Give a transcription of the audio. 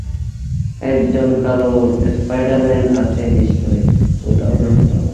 একজন কালো স্পাইডার-ম্যান আছে নিশ্চয়ই, কোথাও না কোথাও।